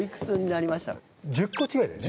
１０個違いだよね。